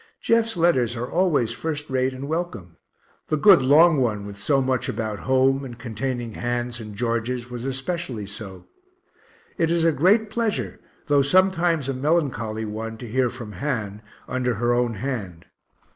Jeff's letters are always first rate and welcome the good long one with so much about home, and containing Han's and George's, was especially so. It is a great pleasure, though sometimes a melancholy one, to hear from Han, under her own hand.